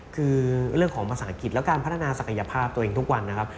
คือเรื่องของภาษาอังกฤษและการพัฒนาศักยภาพตัวเองทุกวันนะครับ